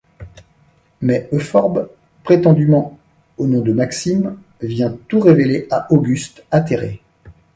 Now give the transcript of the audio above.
Mais Euphorbe, prétendument au nom de Maxime, vient tout révéler à Auguste, atterré.